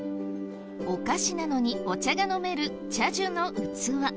お菓子なのにお茶が飲める茶寿器